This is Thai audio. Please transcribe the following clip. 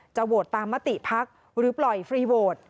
โหวตตามมติพักหรือปล่อยฟรีโหวต